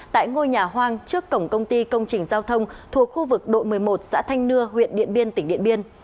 tại ngôi nhà hoang trước cổng công ty công trình giao thông thuộc khu vực đội một mươi một xã thanh nưa huyện điện biên tỉnh điện biên